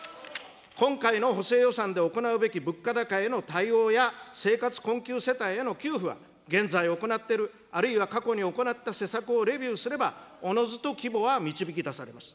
今回の補正予算で行うべき物価高への対応や生活困窮世帯への給付は、現在行っている、あるいは過去に行った施策をレビューすれば、おのずと規模は導き出されます。